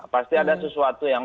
pasti ada sesuatu yang